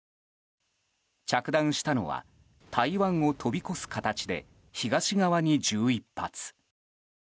着弾したのは台湾を飛び越す形で東側に１１発。